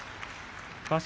場所